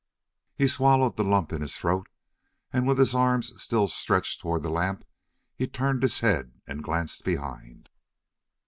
He swallowed the lump in his throat and with his arms still stretched toward the lamp he turned his head and glanced behind.